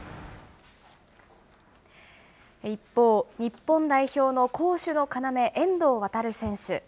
一方、日本代表の攻守の要、遠藤航選手。